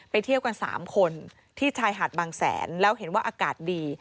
เที่ยวกัน๓คนที่ชายหาดบางแสนแล้วเห็นว่าอากาศดี